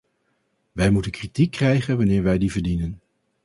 Wij moeten kritiek krijgen wanneer wij die verdienen.